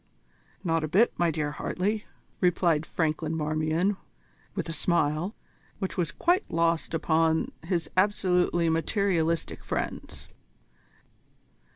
"Not a bit, my dear Hartley," replied Franklin Marmion with a smile, which was quite lost upon his absolutely materialistic friends.